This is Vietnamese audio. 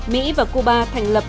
mỹ và cuba thành lập